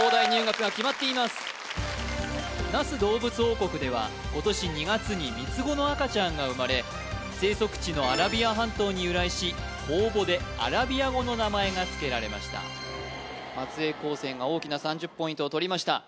那須どうぶつ王国では今年２月に３つ子の赤ちゃんが生まれ生息地のアラビア半島に由来し公募でアラビア語の名前がつけられました松江高専が大きな３０ポイントをとりました